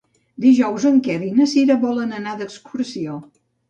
Dijous en Quer i na Cira volen anar d'excursió.